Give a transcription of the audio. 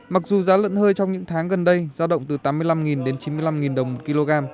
mặc dù giá lợn hơi trong những tháng gần đây giao động từ tám mươi năm đến chín mươi năm đồng một kg